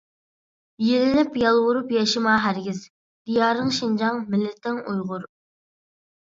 يېلىنىپ يالۋۇرۇپ ياشىما ھەرگىز، دىيارىڭ شىنجاڭ، مىللىتىڭ ئۇيغۇر.